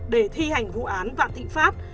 để thi hành vụ án vạn thịnh pháp